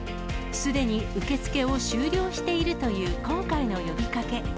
すでに受け付けを終了しているという今回の呼びかけ。